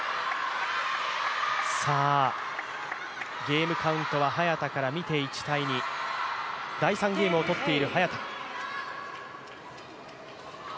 ゲームカウントは早田から見て１−２第３ゲームを取っている早田。